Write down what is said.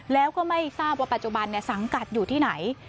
แล้วก็ไม่ทราบว่าปัจจุบันสังกัดอยู่ที่ไหน